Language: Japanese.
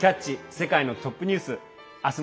世界のトップニュース」。